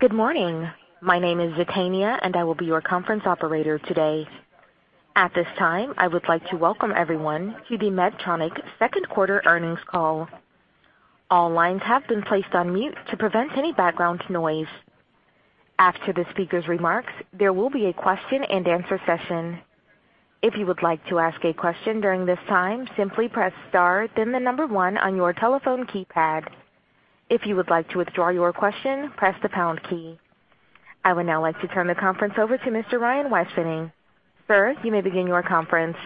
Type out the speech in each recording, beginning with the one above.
Good morning. My name is Zetania, and I will be your conference operator today. At this time, I would like to welcome everyone to the Medtronic second quarter earnings call. All lines have been placed on mute to prevent any background noise. After the speaker's remarks, there will be a question and answer session. If you would like to ask a question during this time, simply press star then the number one on your telephone keypad. If you would like to withdraw your question, press the pound key. I would now like to turn the conference over to Mr. Ryan Weispfenning. Sir, you may begin your conference.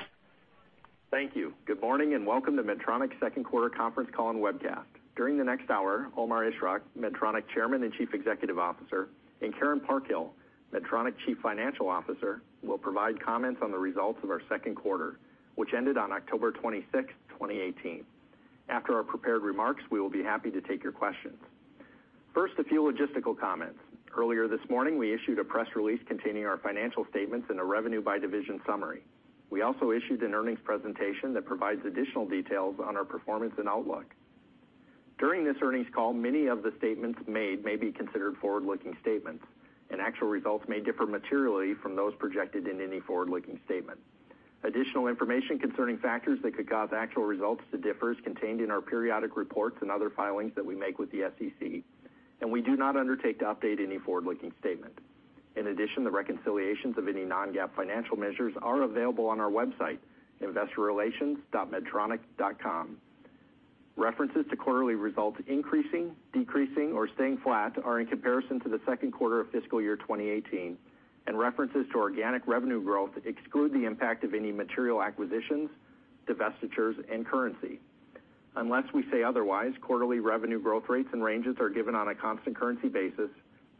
Thank you. Good morning and welcome to Medtronic's second quarter conference call and webcast. During the next hour, Omar Ishrak, Medtronic Chairman and Chief Executive Officer, and Karen Parkhill, Medtronic Chief Financial Officer, will provide comments on the results of our second quarter, which ended on October 26th, 2018. After our prepared remarks, we will be happy to take your questions. First, a few logistical comments. Earlier this morning, we issued a press release containing our financial statements and a revenue by division summary. We also issued an earnings presentation that provides additional details on our performance and outlook. During this earnings call, many of the statements made may be considered forward-looking statements. Actual results may differ materially from those projected in any forward-looking statement. Additional information concerning factors that could cause actual results to differ is contained in our periodic reports and other filings that we make with the SEC. We do not undertake to update any forward-looking statement. In addition, the reconciliations of any non-GAAP financial measures are available on our website, investorrelations.medtronic.com. References to quarterly results increasing, decreasing, or staying flat are in comparison to the second quarter of fiscal year 2018. References to organic revenue growth exclude the impact of any material acquisitions, divestitures, and currency. Unless we say otherwise, quarterly revenue growth rates and ranges are given on a constant currency basis,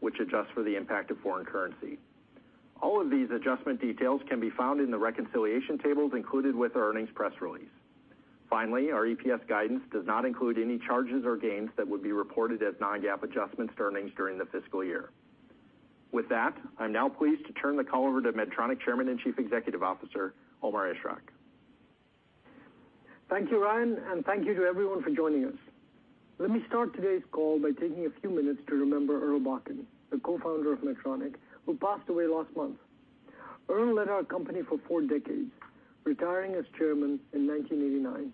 which adjusts for the impact of foreign currency. All of these adjustment details can be found in the reconciliation tables included with our earnings press release. Finally, our EPS guidance does not include any charges or gains that would be reported as non-GAAP adjustments to earnings during the fiscal year. With that, I'm now pleased to turn the call over to Medtronic Chairman and Chief Executive Officer, Omar Ishrak. Thank you, Ryan, and thank you to everyone for joining us. Let me start today's call by taking a few minutes to remember Earl Bakken, the Co-Founder of Medtronic, who passed away last month. Earl led our company for four decades, retiring as chairman in 1989.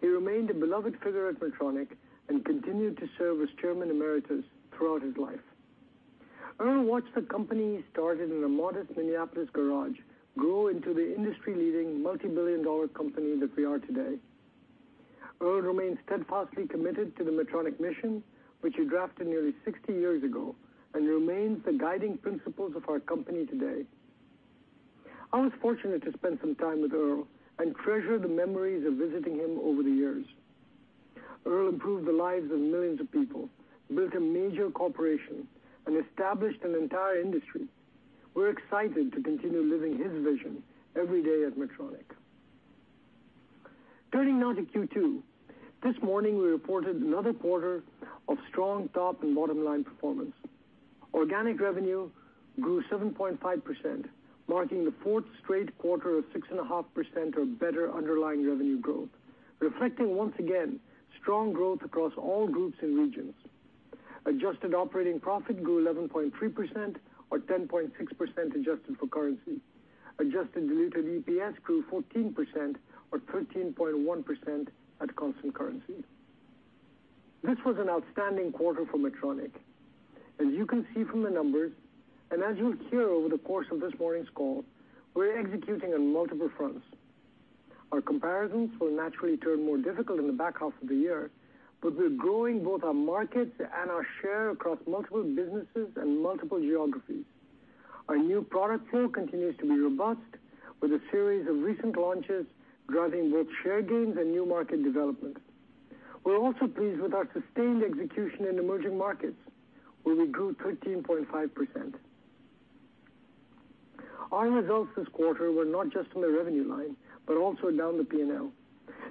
He remained a beloved figure at Medtronic and continued to serve as Chairman Emeritus throughout his life. Earl watched the company he started in a modest Minneapolis garage grow into the industry-leading, multibillion-dollar company that we are today. Earl remained steadfastly committed to the Medtronic mission, which he drafted nearly 60 years ago and remains the guiding principles of our company today. I was fortunate to spend some time with Earl and treasure the memories of visiting him over the years. Earl improved the lives of millions of people, built a major corporation, and established an entire industry. We're excited to continue living his vision every day at Medtronic. Turning now to Q2. This morning, we reported another quarter of strong top and bottom-line performance. Organic revenue grew 7.5%, marking the fourth straight quarter of 6.5% or better underlying revenue growth, reflecting, once again, strong growth across all groups and regions. Adjusted operating profit grew 11.3% or 10.6% adjusted for currency. Adjusted diluted EPS grew 14% or 13.1% at constant currency. This was an outstanding quarter for Medtronic. As you can see from the numbers, as you'll hear over the course of this morning's call, we're executing on multiple fronts. Our comparisons will naturally turn more difficult in the back half of the year. We're growing both our markets and our share across multiple businesses and multiple geographies. Our new product flow continues to be robust, with a series of recent launches driving both share gains and new market development. We're also pleased with our sustained execution in emerging markets, where we grew 13.5%. Our results this quarter were not just on the revenue line, but also down the P&L,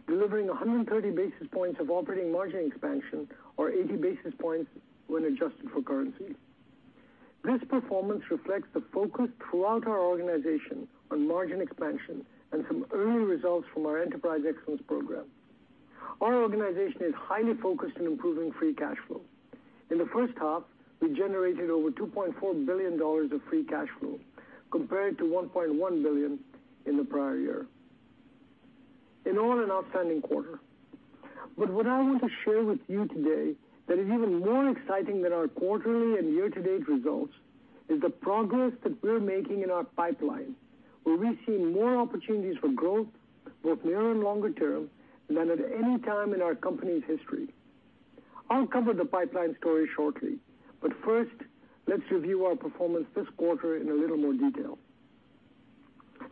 delivering 130 basis points of operating margin expansion or 80 basis points when adjusted for currency. This performance reflects the focus throughout our organization on margin expansion and some early results from our Enterprise Excellence program. Our organization is highly focused on improving free cash flow. In the first half, we generated over $2.4 billion of free cash flow compared to $1.1 billion in the prior year. In all, an outstanding quarter. What I want to share with you today that is even more exciting than our quarterly and year-to-date results is the progress that we're making in our pipeline, where we're seeing more opportunities for growth, both near and longer term than at any time in our company's history. I'll cover the pipeline story shortly. First, let's review our performance this quarter in a little more detail.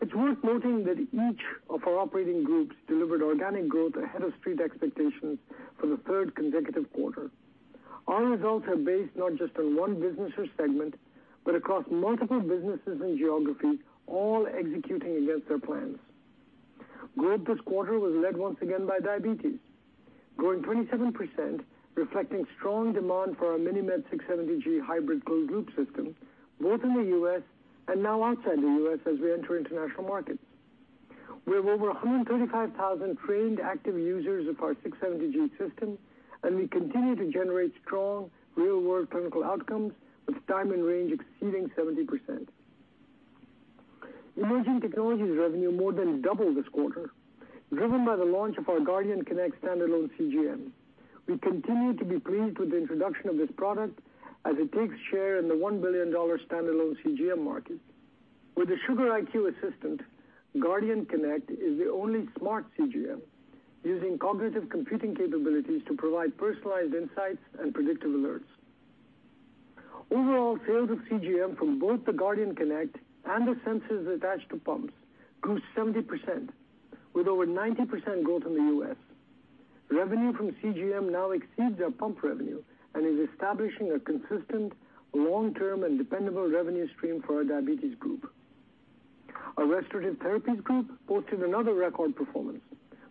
It's worth noting that each of our operating groups delivered organic growth ahead of street expectations for the third consecutive quarter. Our results are based not just on one business or segment, but across multiple businesses and geographies, all executing against their plans. Growth this quarter was led once again by diabetes, growing 27%, reflecting strong demand for our MiniMed 670G hybrid closed-loop system, both in the U.S. and now outside the U.S. as we enter international markets. We have over 125,000 trained active users of our 670G system, and we continue to generate strong real-world clinical outcomes with time in range exceeding 70%. Emerging Technologies revenue more than doubled this quarter, driven by the launch of our Guardian Connect standalone CGM. We continue to be pleased with the introduction of this product as it takes share in the $1 billion standalone CGM market. With the Sugar.IQ Assistant, Guardian Connect is the only smart CGM using cognitive computing capabilities to provide personalized insights and predictive alerts. Overall, sales of CGM from both the Guardian Connect and the sensors attached to pumps grew 70%, with over 90% growth in the U.S. Revenue from CGM now exceeds our pump revenue and is establishing a consistent long-term and dependable revenue stream for our diabetes group. Our Restorative Therapies Group posted another record performance,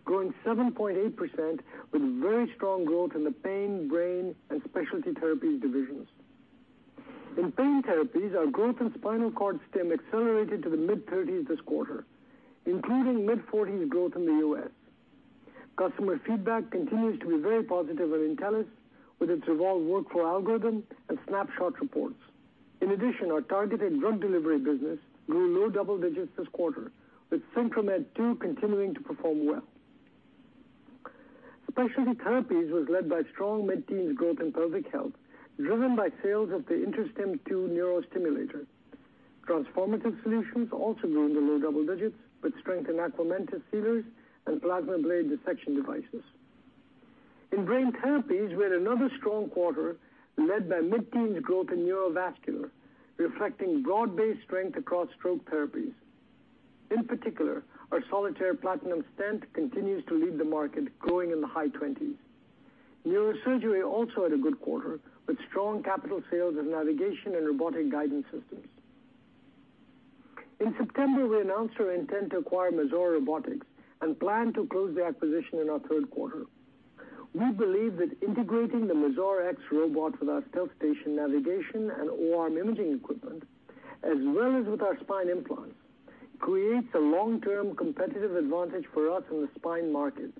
growing 7.8% with very strong growth in the pain, brain, and specialty therapies divisions. In pain therapies, our growth in spinal cord stim accelerated to the mid-30s this quarter, including mid-40s growth in the U.S. Customer feedback continues to be very positive on Intellis, with its evolved workflow algorithm and snapshot reports. In addition, our targeted drug delivery business grew low double digits this quarter, with SynchroMed II continuing to perform well. Specialty therapies was led by strong mid-teens growth in pelvic health, driven by sales of the InterStim II neurostimulator. Transformative solutions also grew in the low double digits with strength in Aquamantys sealers and PlasmaBlade dissection devices. In brain therapies, we had another strong quarter led by mid-teens growth in neurovascular, reflecting broad-based strength across stroke therapies. In particular, our Solitaire Platinum stent continues to lead the market, growing in the high 20s. Neurosurgery also had a good quarter, with strong capital sales of navigation and robotic guidance systems. In September, we announced our intent to acquire Mazor Robotics and plan to close the acquisition in our third quarter. We believe that integrating the Mazor X robot with our StealthStation navigation and O-arm imaging equipment, as well as with our spine implants, creates a long-term competitive advantage for us in the spine market,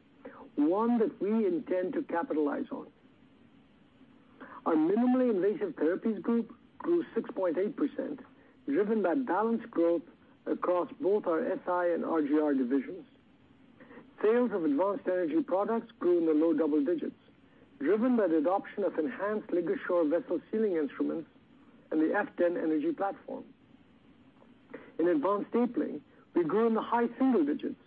one that we intend to capitalize on. Our Minimally Invasive Therapies Group grew 6.8%, driven by balanced growth across both our SI and RGR divisions. Sales of advanced energy products grew in the low double digits, driven by the adoption of enhanced LigaSure vessel sealing instruments and the Valleylab FT10 energy platform. In advanced stapling, we grew in the high single digits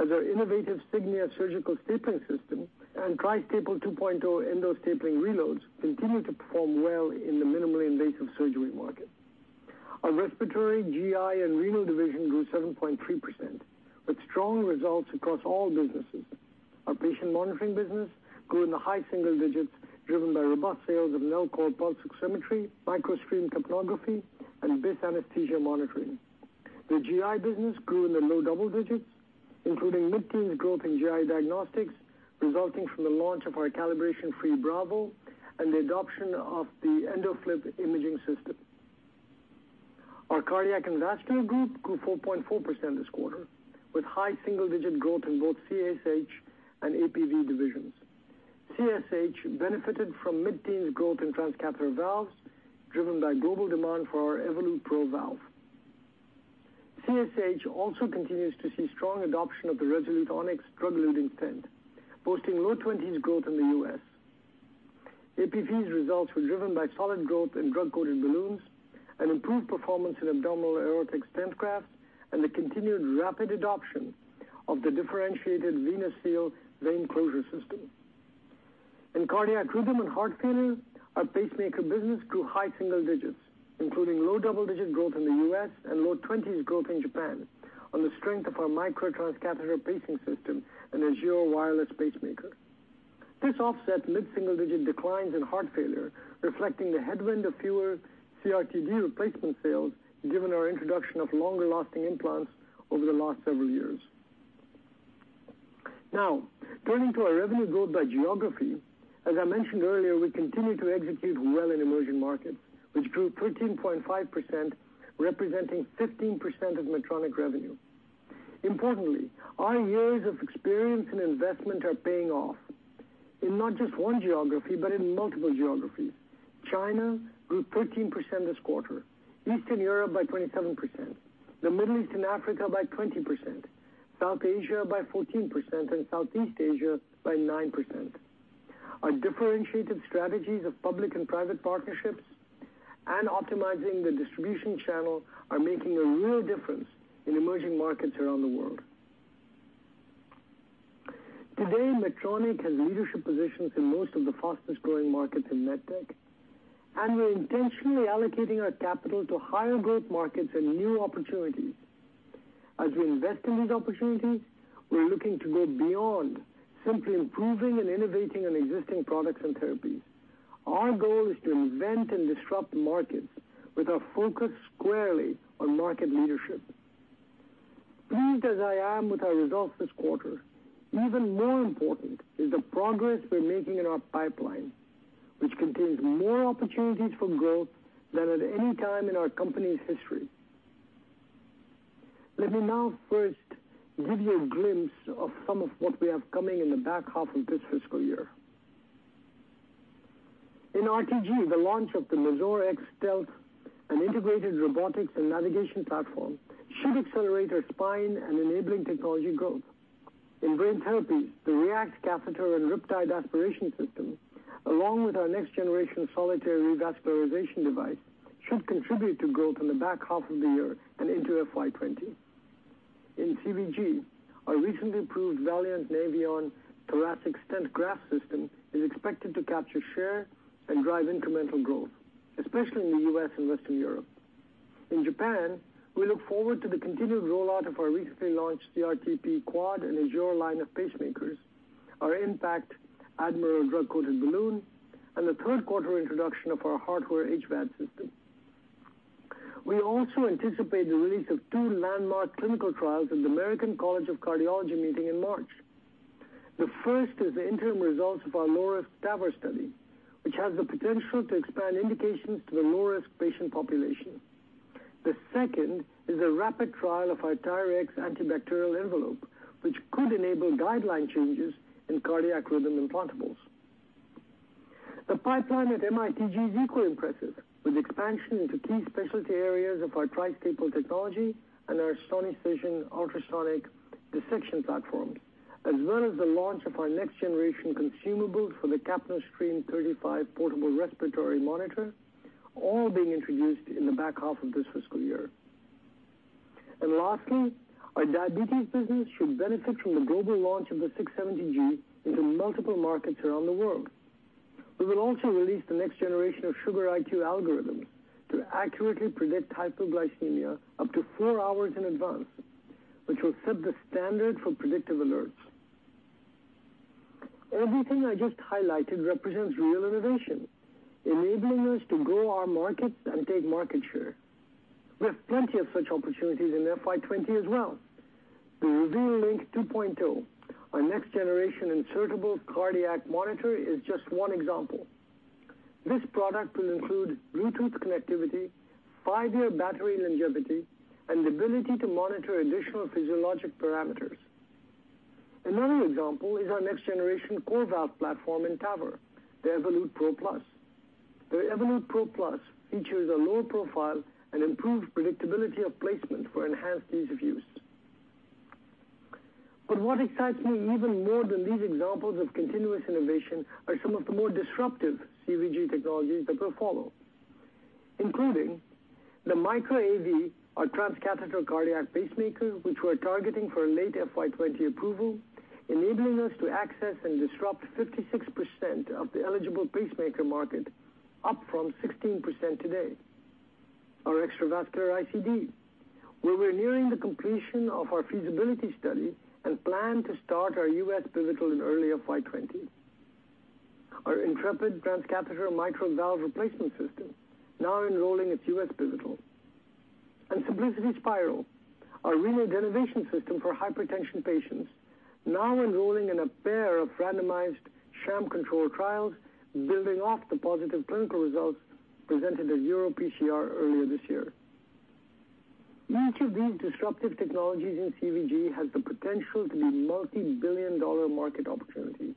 as our innovative Signia surgical stapling system and Tri-Staple 2.0 endostapling reloads continue to perform well in the minimally invasive surgery market. Our respiratory, GI, and renal division grew 7.3% with strong results across all businesses. Our patient monitoring business grew in the high single digits, driven by robust sales of Nellcor pulse oximetry, MicroStream capnography, and BIS anesthesia monitoring. The GI business grew in the low double digits, including mid-teens growth in GI diagnostics resulting from the launch of our calibration-free Bravo and the adoption of the EndoFLIP imaging system. Our Cardiac and Vascular Group grew 4.4% this quarter with high single-digit growth in both CSH and APV divisions. CSH benefited from mid-teens growth in transcatheter valves, driven by global demand for our Evolut PRO valve. CSH also continues to see strong adoption of the Resolute Onyx drug-eluting stent, posting low 20s % growth in the U.S. APV's results were driven by solid growth in drug-coated balloons and improved performance in abdominal aortic stent grafts and the continued rapid adoption of the differentiated VenaSeal vein closure system. In cardiac rhythm and heart failure, our pacemaker business grew high single-digits, including low double-digit growth in the U.S. and low 20s % growth in Japan on the strength of our Micra transcatheter pacing system and the Azure wireless pacemaker. This offset mid-single-digit declines in heart failure, reflecting the headwind of fewer CRT-D replacement sales given our introduction of longer-lasting implants over the last several years. Turning to our revenue growth by geography. I mentioned earlier, we continue to execute well in emerging markets, which grew 13.5%, representing 15% of Medtronic revenue. Importantly, our years of experience and investment are paying off in not just one geography but in multiple geographies. China grew 13% this quarter, Eastern Europe by 27%, the Middle East and Africa by 20%, South Asia by 14%, and Southeast Asia by 9%. Our differentiated strategies of public and private partnerships and optimizing the distribution channel are making a real difference in emerging markets around the world. Today, Medtronic has leadership positions in most of the fastest-growing markets in med tech, we're intentionally allocating our capital to higher-growth markets and new opportunities. We invest in these opportunities, we're looking to go beyond simply improving and innovating on existing products and therapies. Our goal is to invent and disrupt markets with our focus squarely on market leadership. Pleased as I am with our results this quarter, even more important is the progress we're making in our pipeline, which contains more opportunities for growth than at any time in our company's history. Let me now first give you a glimpse of some of what we have coming in the back half of this fiscal year. In RTG, the launch of the Mazor X Stealth, an integrated robotics and navigation platform, should accelerate our spine and enabling technology growth. In brain therapy, the React catheter and Riptide aspiration system, along with our next-generation Solitaire revascularization device, should contribute to growth in the back half of the year and into FY 2020. In CVG, our recently approved Valiant Navion thoracic stent graft system is expected to capture share and drive incremental growth, especially in the U.S. and Western Europe. In Japan, we look forward to the continued rollout of our recently launched CRT-P Quad and Azure line of pacemakers, our IN.PACT Admiral drug-coated balloon, and the third-quarter introduction of our HeartWare HVAD system. We also anticipate the release of two landmark clinical trials at the American College of Cardiology meeting in March. The first is the interim results of our low-risk TAVR study, which has the potential to expand indications to the low-risk patient population. The second is a rapid trial of our TYRX antibacterial envelope, which could enable guideline changes in cardiac rhythm implantables. The pipeline at MITG is equally impressive, with expansion into key specialty areas of our Tri-Staple technology and our Sonicision ultrasonic dissection platforms, as well as the launch of our next-generation consumables for the Capnostream 35 portable respiratory monitor, all being introduced in the back half of this fiscal year. Lastly, our diabetes business should benefit from the global launch of the 670G into multiple markets around the world. We will also release the next generation of Sugar.IQ algorithms to accurately predict hypoglycemia up to four hours in advance, which will set the standard for predictive alerts. Everything I just highlighted represents real innovation, enabling us to grow our markets and take market share. We have plenty of such opportunities in FY 2020 as well. The Reveal LINQ 2.0, our next-generation insertable cardiac monitor, is just one example. This product will include Bluetooth connectivity, five-year battery longevity, and the ability to monitor additional physiologic parameters. Another example is our next-generation CoreValve platform in TAVR, the Evolut PRO+. The Evolut PRO+ features a lower profile and improved predictability of placement for enhanced ease of use. What excites me even more than these examples of continuous innovation are some of the more disruptive CVG technologies that will follow, including the Micra AV, our transcatheter cardiac pacemaker, which we're targeting for late FY 2020 approval, enabling us to access and disrupt 56% of the eligible pacemaker market, up from 16% today. Our extravascular ICD, where we're nearing the completion of our feasibility study and plan to start our U.S. pivotal in early FY 2020. Our Intrepid transcatheter mitral valve replacement system, now enrolling its U.S. pivotal. And Symplicity Spyral, our renal denervation system for hypertension patients, now enrolling in a pair of randomized sham-controlled trials, building off the positive clinical results presented at EuroPCR earlier this year. Each of these disruptive technologies in CVG has the potential to be multi-billion-dollar market opportunities.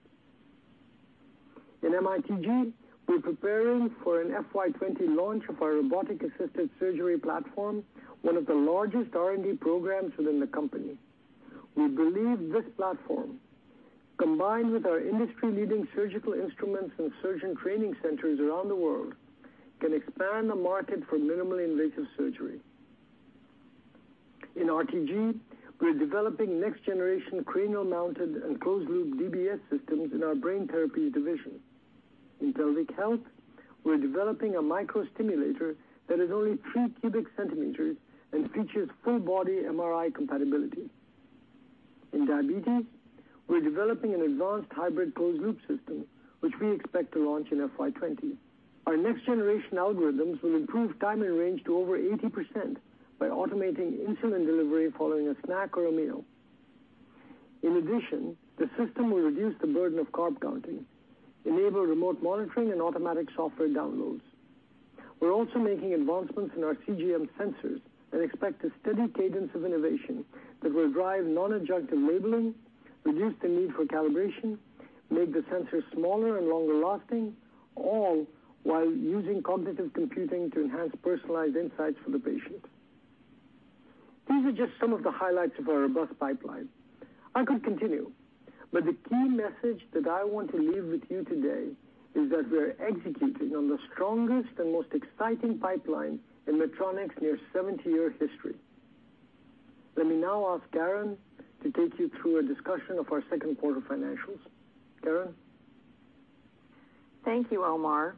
In MITG, we're preparing for an FY 2020 launch of our robotic-assisted surgery platform, one of the largest R&D programs within the company. We believe this platform, combined with our industry-leading surgical instruments and surgeon training centers around the world, can expand the market for minimally invasive surgery. In RTG, we're developing next-generation cranial-mounted and closed-loop DBS systems in our brain therapies division. In pelvic health, we're developing a micro stimulator that is only 3 cu cm and features full-body MRI compatibility. In diabetes, we're developing an advanced hybrid closed-loop system, which we expect to launch in FY 2020. Our next-generation algorithms will improve time and range to over 80% by automating insulin delivery following a snack or a meal. In addition, the system will reduce the burden of carb counting, enable remote monitoring, and automatic software downloads. We're also making advancements in our CGM sensors and expect a steady cadence of innovation that will drive non-adjunctive labeling, reduce the need for calibration, make the sensors smaller and longer-lasting, all while using cognitive computing to enhance personalized insights for the patient. These are just some of the highlights of our robust pipeline. I could continue, but the key message that I want to leave with you today is that we're executing on the strongest and most exciting pipeline in Medtronic's near 70-year history. Let me now ask Karen to take you through a discussion of our second quarter financials. Karen? Thank you, Omar.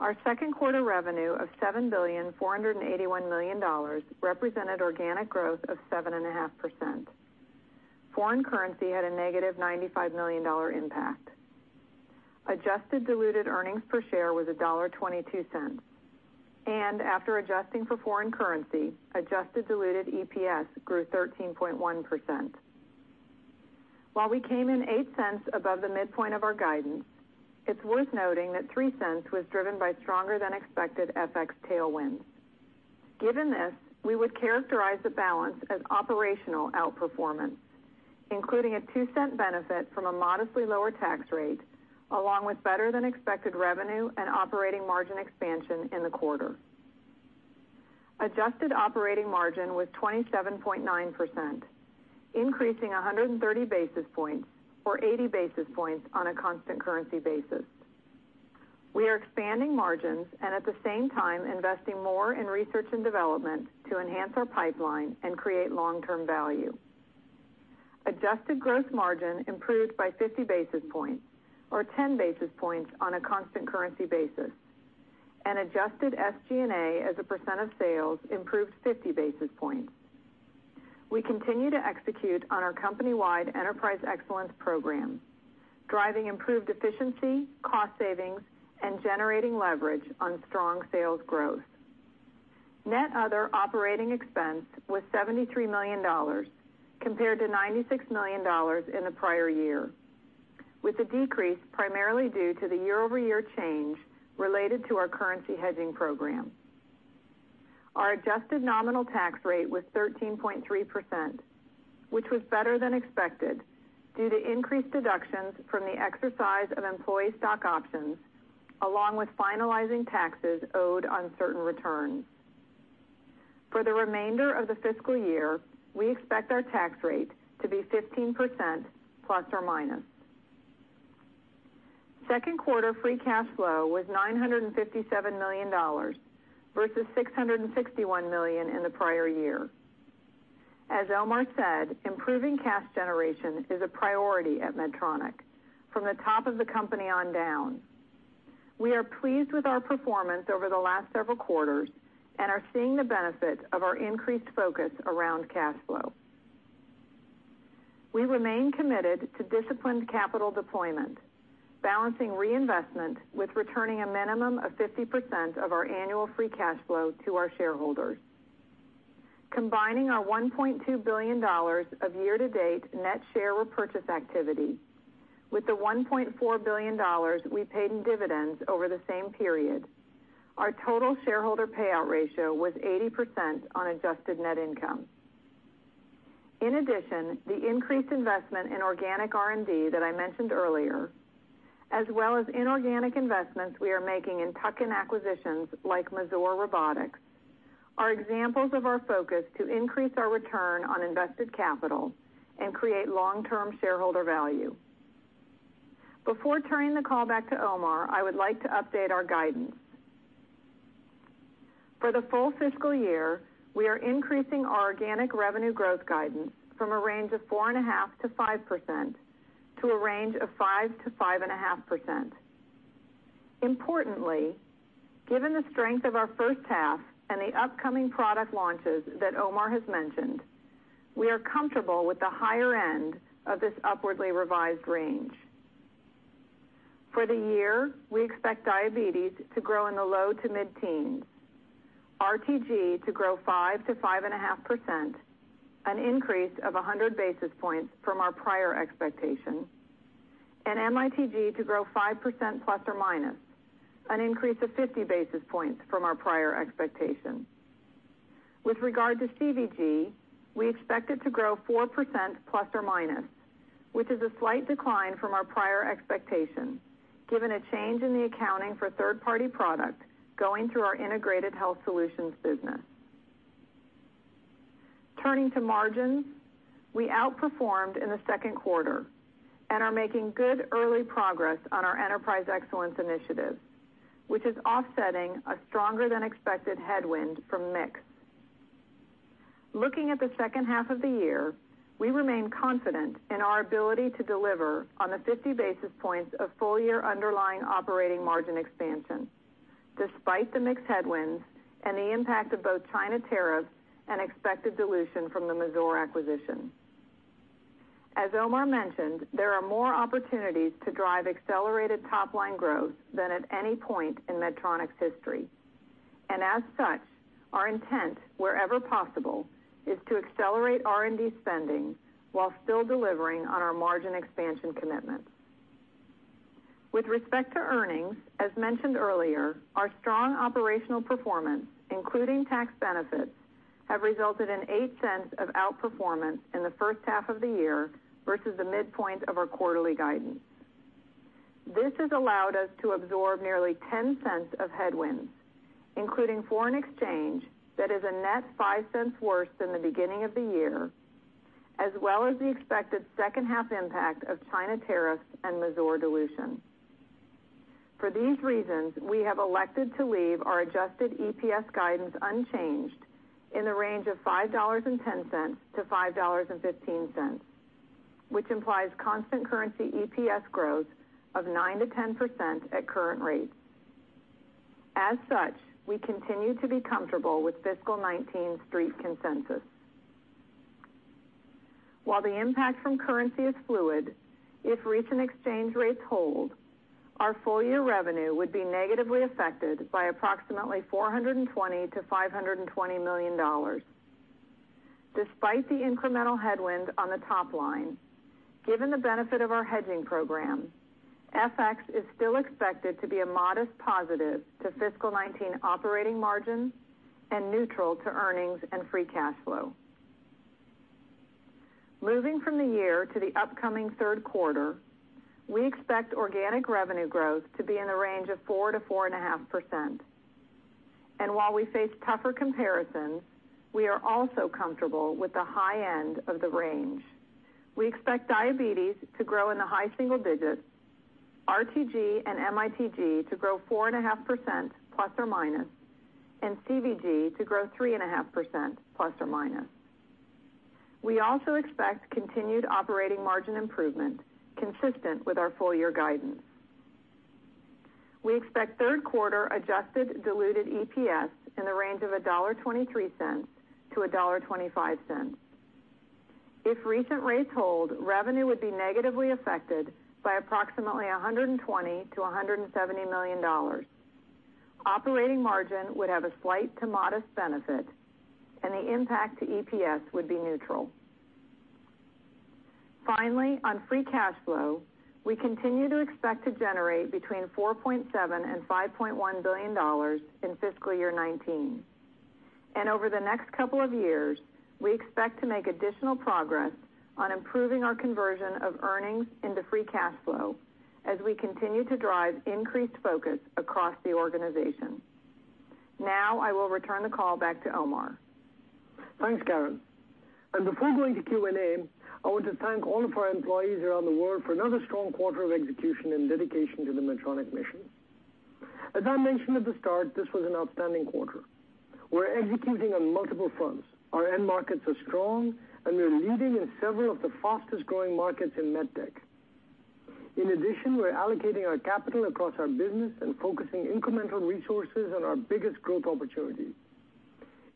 Our second quarter revenue of $7.481 billion represented organic growth of 7.5%. Foreign currency had a -$95 million impact. Adjusted diluted earnings per share was $1.22. After adjusting for foreign currency, adjusted diluted EPS grew 13.1%. While we came in $0.08 above the midpoint of our guidance, it's worth noting that $0.03 was driven by stronger than expected FX tailwinds. Given this, we would characterize the balance as operational outperformance, including a $0.02 benefit from a modestly lower tax rate, along with better than expected revenue and operating margin expansion in the quarter. Adjusted operating margin was 27.9%, increasing 130 basis points or 80 basis points on a constant currency basis. We are expanding margins and at the same time, investing more in R&D to enhance our pipeline and create long-term value. Adjusted gross margin improved by 50 basis points or 10 basis points on a constant currency basis, and adjusted SG&A as a percent of sales improved 50 basis points. We continue to execute on our company-wide enterprise excellence program, driving improved efficiency, cost savings, and generating leverage on strong sales growth. Net other operating expense was $73 million compared to $96 million in the prior year, with the decrease primarily due to the year-over-year change related to our currency hedging program. Our adjusted nominal tax rate was 13.3%, which was better than expected due to increased deductions from the exercise of employee stock options, along with finalizing taxes owed on certain returns. For the remainder of the fiscal year, we expect our tax rate to be 15% ±. Second quarter free cash flow was $957 million versus $661 million in the prior year. As Omar said, improving cash generation is a priority at Medtronic from the top of the company on down. We are pleased with our performance over the last several quarters and are seeing the benefit of our increased focus around cash flow. We remain committed to disciplined capital deployment, balancing reinvestment with returning a minimum of 50% of our annual free cash flow to our shareholders. Combining our $1.2 billion of year-to-date net share repurchase activity with the $1.4 billion we paid in dividends over the same period, our total shareholder payout ratio was 80% on adjusted net income. In addition, the increased investment in organic R&D that I mentioned earlier, as well as inorganic investments we are making in tuck-in acquisitions like Mazor Robotics, are examples of our focus to increase our Return on Invested Capital and create long-term shareholder value. Before turning the call back to Omar, I would like to update our guidance. For the full fiscal year, we are increasing our organic revenue growth guidance from a range of 4.5%-5% to a range of 5%-5.5%. Importantly, given the strength of our first half and the upcoming product launches that Omar has mentioned, we are comfortable with the higher end of this upwardly revised range. For the year, we expect diabetes to grow in the low to mid-teens, RTG to grow 5%-5.5%, an increase of 100 basis points from our prior expectation, and MITG to grow 5% ±, an increase of 50 basis points from our prior expectation. With regard to CVG, we expect it to grow 4% ±, which is a slight decline from our prior expectation, given a change in the accounting for third-party product going through our integrated health solutions business. Turning to margins, we outperformed in the second quarter and are making good early progress on our enterprise excellence initiative, which is offsetting a stronger than expected headwind from mix. Looking at the second half of the year, we remain confident in our ability to deliver on the 50 basis points of full-year underlying operating margin expansion, despite the mix headwinds and the impact of both China tariffs and expected dilution from the Mazor acquisition. As Omar mentioned, there are more opportunities to drive accelerated top-line growth than at any point in Medtronic's history. As such, our intent, wherever possible, is to accelerate R&D spending while still delivering on our margin expansion commitments. With respect to earnings, as mentioned earlier, our strong operational performance, including tax benefits, have resulted in $0.08 of outperformance in the first half of the year versus the midpoint of our quarterly guidance. This has allowed us to absorb nearly $0.10 of headwinds, including foreign exchange that is a net $0.05 worse than the beginning of the year, as well as the expected second half impact of China tariffs and Mazor dilution. For these reasons, we have elected to leave our adjusted EPS guidance unchanged in the range of $5.10-$5.15, which implies constant currency EPS growth of 9%-10% at current rates. As such, we continue to be comfortable with fiscal 2019 street consensus. While the impact from currency is fluid, if recent exchange rates hold, our full-year revenue would be negatively affected by approximately $420 million-$520 million. Despite the incremental headwind on the top line, given the benefit of our hedging program, FX is still expected to be a modest positive to fiscal 2019 operating margins and neutral to earnings and free cash flow. Moving from the year to the upcoming third quarter, we expect organic revenue growth to be in the range of 4%-4.5%. While we face tougher comparisons, we are also comfortable with the high end of the range. We expect diabetes to grow in the high single digits, RTG and MITG to grow 4.5% ±, and CVG to grow 3.5% ±. We also expect continued operating margin improvement consistent with our full-year guidance. We expect third-quarter adjusted diluted EPS in the range of $1.23-$1.25. If recent rates hold, revenue would be negatively affected by approximately $120 million-$170 million. Operating margin would have a slight to modest benefit, and the impact to EPS would be neutral. Finally, on free cash flow, we continue to expect to generate between $4.7 billion and $5.1 billion in fiscal year 2019. Over the next couple of years, we expect to make additional progress on improving our conversion of earnings into free cash flow as we continue to drive increased focus across the organization. Now, I will return the call back to Omar. Thanks, Karen. Before going to Q&A, I want to thank all of our employees around the world for another strong quarter of execution and dedication to the Medtronic mission. As I mentioned at the start, this was an outstanding quarter. We're executing on multiple fronts. Our end markets are strong, and we're leading in several of the fastest-growing markets in med tech. In addition, we're allocating our capital across our business and focusing incremental resources on our biggest growth opportunities.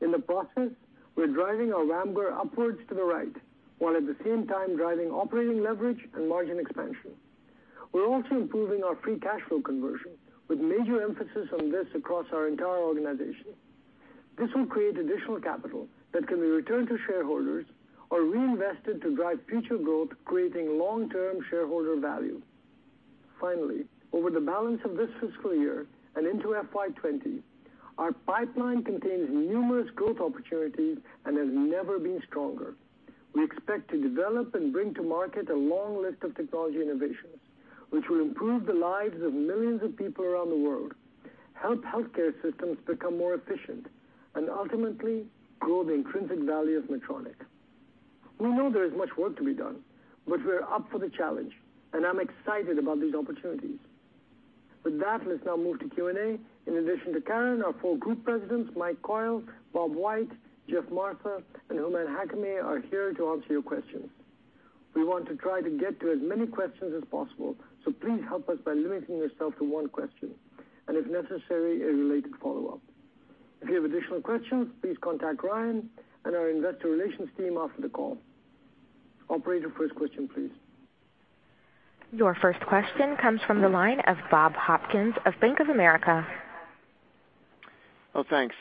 In the process, we're driving our WAMGR upwards to the right, while at the same time driving operating leverage and margin expansion. We're also improving our free cash flow conversion, with major emphasis on this across our entire organization. This will create additional capital that can be returned to shareholders or reinvested to drive future growth, creating long-term shareholder value. Over the balance of this fiscal year and into FY 2020, our pipeline contains numerous growth opportunities and has never been stronger. We expect to develop and bring to market a long list of technology innovations, which will improve the lives of millions of people around the world, help healthcare systems become more efficient, and ultimately, grow the intrinsic value of Medtronic. We know there is much work to be done, but we're up for the challenge, and I'm excited about these opportunities. With that, let's now move to Q&A. In addition to Karen, our four group presidents, Mike Coyle, Bob White, Geoff Martha, and Hooman Hakami, are here to answer your questions. We want to try to get to as many questions as possible, so please help us by limiting yourself to one question and, if necessary, a related follow-up. If you have additional questions, please contact Ryan and our investor relations team after the call. Operator, first question, please. Your first question comes from the line of Bob Hopkins of Bank of America. Thanks.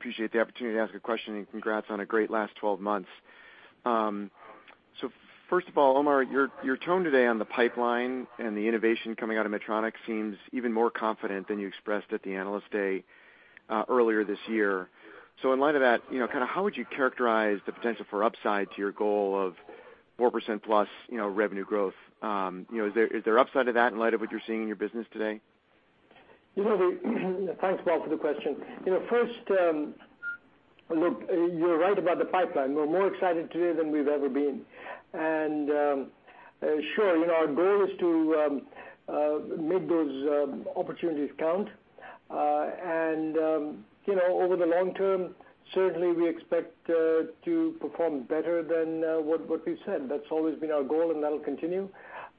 I appreciate the opportunity to ask a question, and congrats on a great last 12 months. First of all, Omar, your tone today on the pipeline and the innovation coming out of Medtronic seems even more confident than you expressed at the Analyst Day earlier this year. In light of that, how would you characterize the potential for upside to your goal of 4%+ revenue growth? Is there upside to that in light of what you're seeing in your business today? Thanks, Bob, for the question. First, look, you're right about the pipeline. We're more excited today than we've ever been. Sure, our goal is to make those opportunities count. Over the long term, certainly, we expect to perform better than what we've said. That's always been our goal, and that'll continue.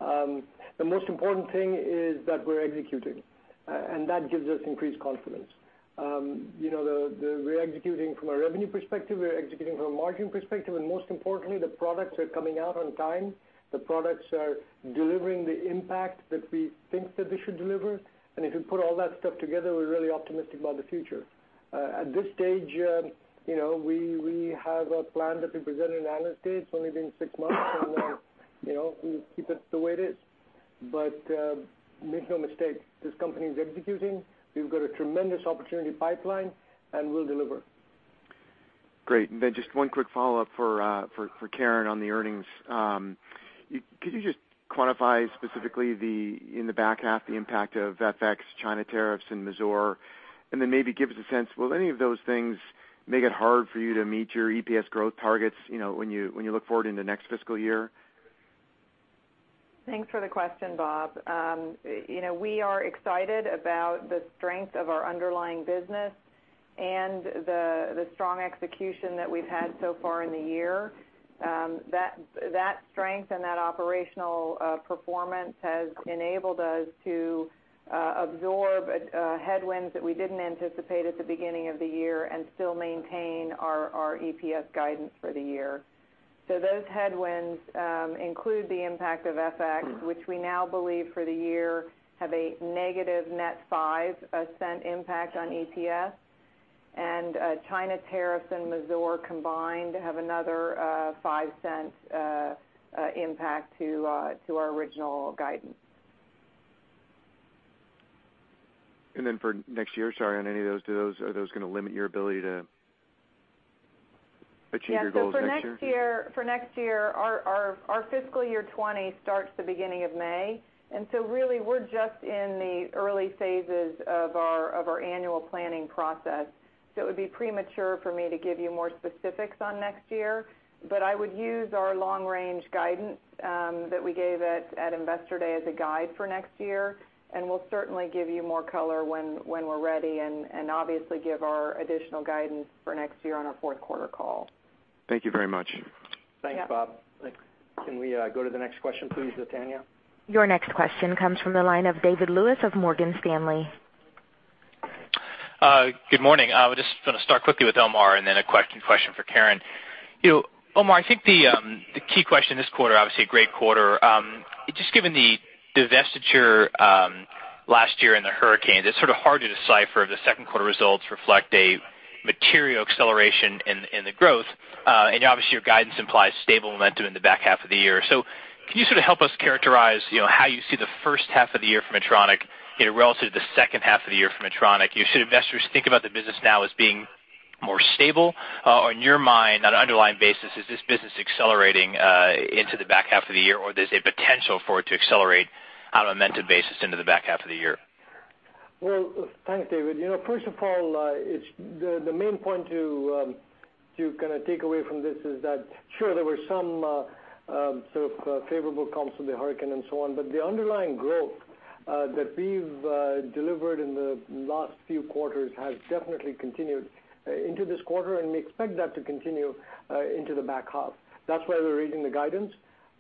The most important thing is that we're executing, and that gives us increased confidence. We're executing from a revenue perspective, we're executing from a margin perspective, and most importantly, the products are coming out on time. The products are delivering the impact that we think that they should deliver. If you put all that stuff together, we're really optimistic about the future. At this stage, we have a plan that we presented at Analyst Day. It's only been six months, and we'll keep it the way it is. Make no mistake, this company is executing. We've got a tremendous opportunity pipeline. We'll deliver. Great. Just one quick follow-up for Karen on the earnings. Could you just quantify specifically in the back half the impact of FX, China tariffs, and Mazor? Maybe give us a sense, will any of those things make it hard for you to meet your EPS growth targets when you look forward into next fiscal year? Thanks for the question, Bob. We are excited about the strength of our underlying business and the strong execution that we've had so far in the year. That strength and that operational performance has enabled us to absorb headwinds that we didn't anticipate at the beginning of the year and still maintain our EPS guidance for the year. Those headwinds include the impact of FX, which we now believe for the year have a negative net $0.05 impact on EPS. China tariffs and Mazor combined have another $0.05 impact to our original guidance. For next year, sorry, on any of those, are those going to limit your ability to achieve your goals next year? Yeah. For next year, our fiscal year 2020 starts the beginning of May, really, we're just in the early phases of our annual planning process. It would be premature for me to give you more specifics on next year. I would use our long-range guidance, that we gave at Investor Day, as a guide for next year, we'll certainly give you more color when we're ready and, obviously, give our additional guidance for next year on our fourth quarter call. Thank you very much. Yeah. Thanks, Bob. Can we go to the next question, please, Zetania? Your next question comes from the line of David Lewis of Morgan Stanley. Good morning. I just want to start quickly with Omar and then a question for Karen. Omar, I think the key question this quarter, obviously a great quarter. Just given the divestiture last year and the hurricanes, it is sort of hard to decipher if the second quarter results reflect a material acceleration in the growth. Obviously your guidance implies stable momentum in the back half of the year. Can you sort of help us characterize how you see the first half of the year for Medtronic relative to the second half of the year for Medtronic? Should investors think about the business now as being more stable? In your mind, on an underlying basis, is this business accelerating into the back half of the year, or there is a potential for it to accelerate on a momentum basis into the back half of the year? Thanks, David. First of all, the main point to take away from this is that, sure, there were some sort of favorable comps from the hurricane and so on, but the underlying growth that we have delivered in the last few quarters has definitely continued into this quarter, and we expect that to continue into the back half. That is why we are raising the guidance.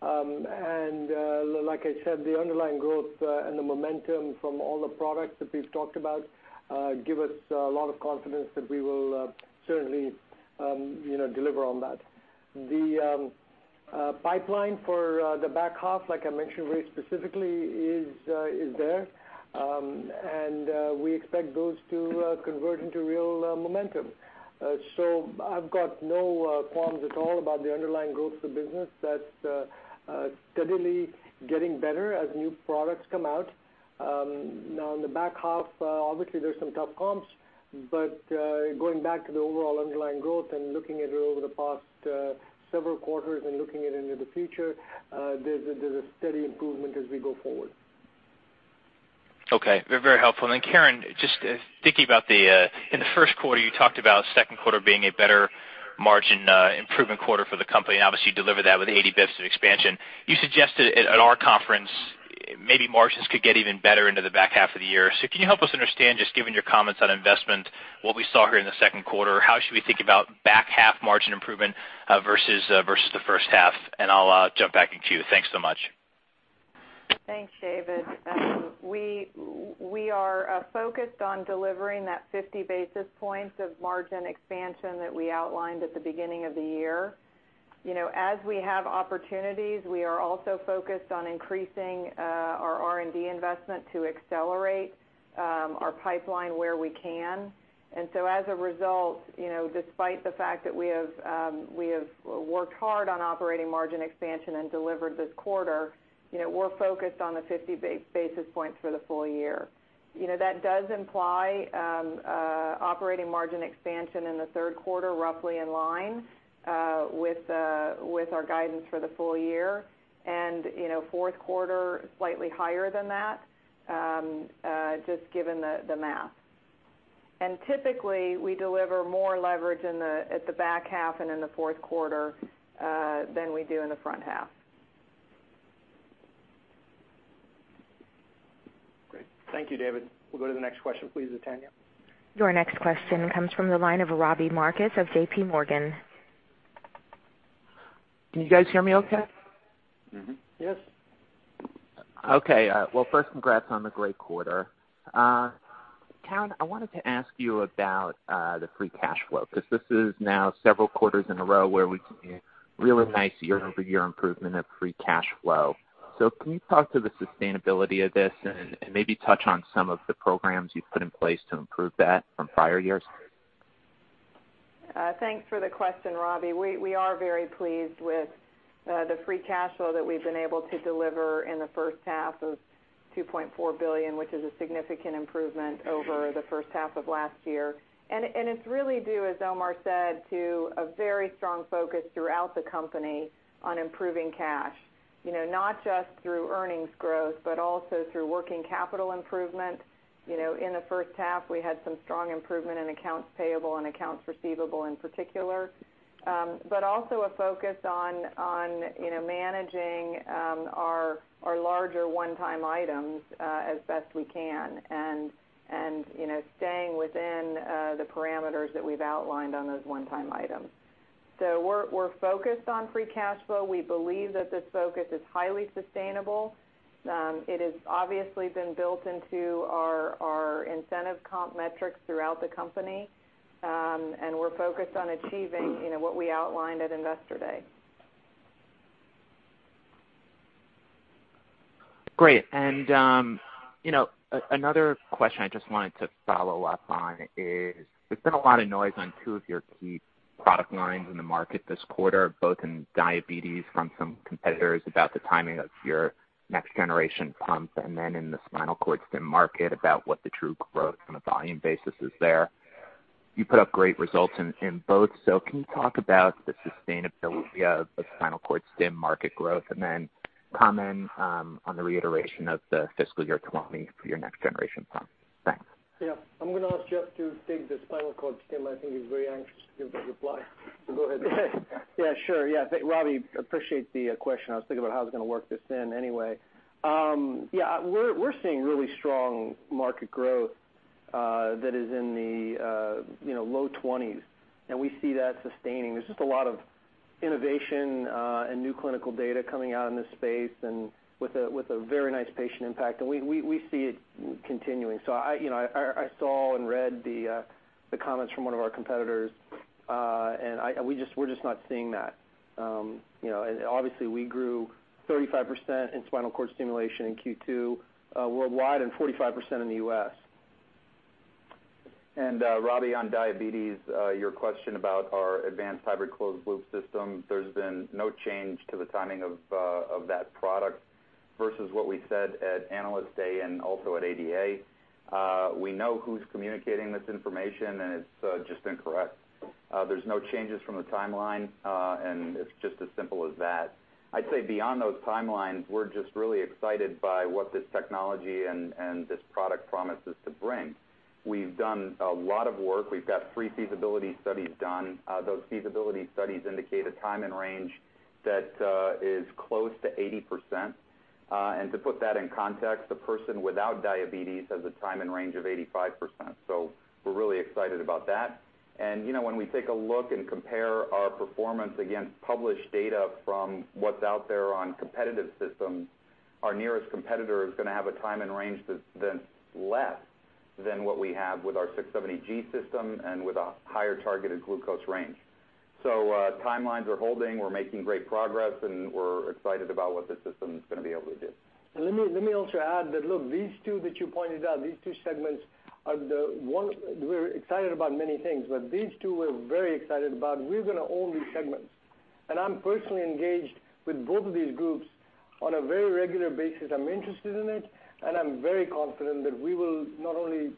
Like I said, the underlying growth and the momentum from all the products that we have talked about give us a lot of confidence that we will certainly deliver on that. The pipeline for the back half, like I mentioned very specifically, is there. We expect those to convert into real momentum. I have got no qualms at all about the underlying growth of the business. That is steadily getting better as new products come out. In the back half, obviously there's some tough comps, but going back to the overall underlying growth and looking at it over the past several quarters and looking at it into the future, there's a steady improvement as we go forward. Okay. Very helpful. Karen, just thinking about in the first quarter, you talked about second quarter being a better margin improvement quarter for the company, and obviously you delivered that with 80 basis points of expansion. You suggested at our conference, maybe margins could get even better into the back half of the year. Can you help us understand, just given your comments on investment, what we saw here in the second quarter, how should we think about back half margin improvement versus the first half? I'll jump back in the queue. Thanks so much. Thanks, David. We are focused on delivering that 50 basis points of margin expansion that we outlined at the beginning of the year. As we have opportunities, we are also focused on increasing our R&D investment to accelerate our pipeline where we can. As a result, despite the fact that we have worked hard on operating margin expansion and delivered this quarter, we're focused on the 50 basis points for the full year. That does imply operating margin expansion in the third quarter, roughly in line with our guidance for the full year. Fourth quarter, slightly higher than that, just given the math. Typically, we deliver more leverage at the back half and in the fourth quarter than we do in the front half. Great. Thank you, David. We'll go to the next question please, Zetania. Your next question comes from the line of Robbie Marcus of JPMorgan. Can you guys hear me okay? Yes. Okay. Well first, congrats on the great quarter. Karen, I wanted to ask you about the free cash flow, because this is now several quarters in a row where we've seen really nice year-over-year improvement of free cash flow. Can you talk to the sustainability of this and maybe touch on some of the programs you've put in place to improve that from prior years? Thanks for the question, Robbie. We are very pleased with the free cash flow that we've been able to deliver in the first half of $2.4 billion, which is a significant improvement over the first half of last year. It's really due, as Omar said, to a very strong focus throughout the company on improving cash. Not just through earnings growth, but also through working capital improvement. In the first half, we had some strong improvement in accounts payable and accounts receivable in particular. Also a focus on managing our larger one-time items as best we can. Staying within the parameters that we've outlined on those one-time items. We're focused on free cash flow. We believe that this focus is highly sustainable. It has obviously been built into our incentive comp metrics throughout the company. We're focused on achieving what we outlined at Investor Day. Great. Another question I just wanted to follow up on is, there's been a lot of noise on two of your key product lines in the market this quarter, both in diabetes from some competitors about the timing of your next generation pump, and then in the spinal cord stim market about what the true growth on a volume basis is there. You put up great results in both. Can you talk about the sustainability of the spinal cord stim market growth, and then comment on the reiteration of the fiscal year timing for your next generation pump? Thanks. Yeah. I'm going to ask Geoff to take the spinal cord stim. I think he's very anxious to give that reply. Go ahead. Yeah, sure. Yeah. Robbie, appreciate the question. I was thinking about how I was going to work this in anyway. Yeah, we're seeing really strong market growth that is in the low 20s, and we see that sustaining. There's just a lot of innovation and new clinical data coming out in this space and with a very nice patient impact. We see it continuing. I saw and read the comments from one of our competitors, and we're just not seeing that. Obviously, we grew 35% in spinal cord stimulation in Q2 worldwide and 45% in the U.S. Robbie, on diabetes, your question about our advanced hybrid closed loop system, there's been no change to the timing of that product versus what we said at Analyst Day and also at ADA. We know who's communicating this information, and it's just incorrect. There's no changes from the timeline, and it's just as simple as that. I'd say beyond those timelines, we're just really excited by what this technology and this product promises to bring. We've done a lot of work. We've got three feasibility studies done. Those feasibility studies indicate a time and range that is close to 80%. To put that in context, a person without diabetes has a time and range of 85%. We're really excited about that. When we take a look and compare our performance against published data from what's out there on competitive systems, our nearest competitor is going to have a time and range that's less than what we have with our 670G system and with a higher targeted glucose range. Timelines are holding, we're making great progress, and we're excited about what this system's going to be able to do. Let me also add that, look, these two that you pointed out, these two segments are the ones. We're excited about many things, but these two we're very excited about. We're going to own these segments. I'm personally engaged with both of these groups on a very regular basis. I'm interested in it, and I'm very confident that we will not only